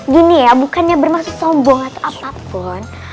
gini ya bukannya bermaksud sombong atau apapun